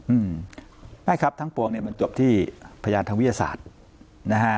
อืมไม่ครับทั้งปวงเนี้ยมันจบที่พยานทางวิทยาศาสตร์นะฮะ